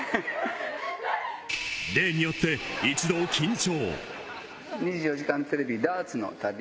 例によって一同緊張。